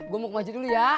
gue mau ke masjid dulu ya